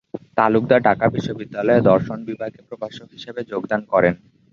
তালুকদার ঢাকা বিশ্ববিদ্যালয়ে দর্শন বিভাগে প্রভাষক হিসেবে যোগদান করেন।